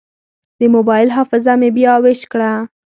د موبایل حافظه مې بیا ویش کړه.